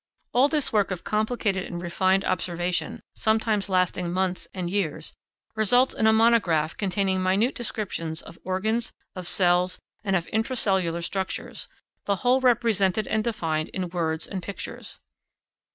All this work of complicated and refined observation, sometimes lasting months and years, results in a monograph containing minute descriptions of organs, of cells, and of intra cellular structures, the whole represented and defined in words and pictures.